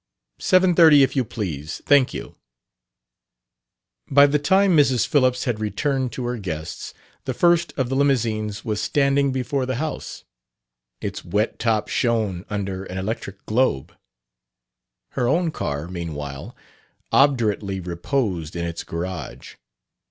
"Seven thirty, if you please. Thank you." By the time Mrs. Phillips had returned to her guests, the first of the limousines was standing before the house; its wet top shone under an electric globe. Her own car, meanwhile, obdurately reposed in its garage.